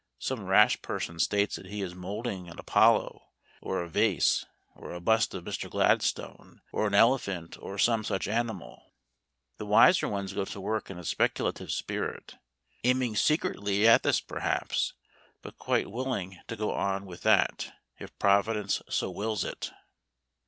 Some rash person states that he is moulding an Apollo, or a vase, or a bust of Mr. Gladstone, or an elephant, or some such animal. The wiser ones go to work in a speculative spirit, aiming secretly at this perhaps, but quite willing to go on with that, if Providence so wills it.